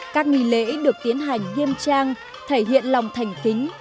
các nghỉ lễ được tiến hành nghiêm trang thể hiện lòng thành kính